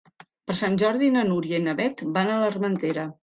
Per Sant Jordi na Núria i na Beth van a l'Armentera.